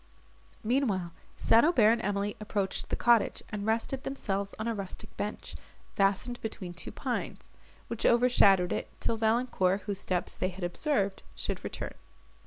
Meanwhile St. Aubert and Emily approached the cottage, and rested themselves on a rustic bench, fastened between two pines, which overshadowed it, till Valancourt, whose steps they had observed, should return.